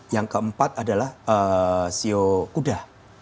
yang keempat adalah sio kuda